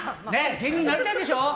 芸人になりたいでしょ？